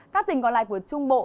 các tỉnh còn lại của trung bộ